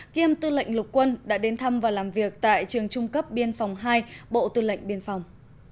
kiêm tư lệnh lục quân đã đến thăm và làm việc tại trường trung cấp biên phòng hai bộ tư lệnh biên phòng